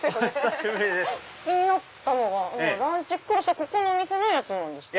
気になったのがランチクロスはここのお店のやつなんですか？